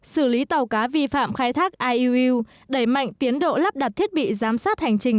xử lý tàu cá vi phạm khai thác iuu đẩy mạnh tiến độ lắp đặt thiết bị giám sát hành trình